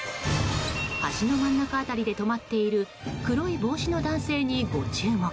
橋の真ん中辺りで止まっている黒い帽子の男性にご注目。